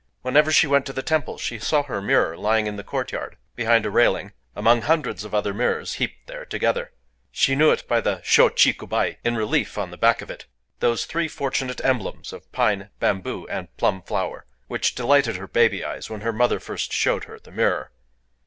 Whenever she went to the temple, she saw her mirror lying in the court yard, behind a railing, among hundreds of other mirrors heaped there together. She knew it by the Shō Chiku Bai in relief on the back of it,—those three fortunate emblems of Pine, Bamboo, and Plumflower, which delighted her baby eyes when her mother first showed her the mirror.